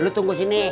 lo tunggu sini